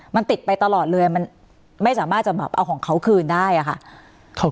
มันติดไปตลอดเลยมันไม่สามารถจะแบบเอาของเขาคืนได้อะค่ะ